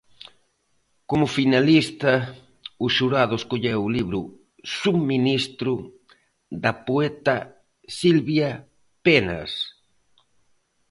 Como finalista, o xurado escolleu o libro Subministro da poeta Silvia Penas.